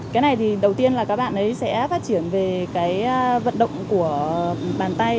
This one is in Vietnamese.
cái này thì đầu tiên là các bạn ấy sẽ phát triển về cái vận động của bàn tay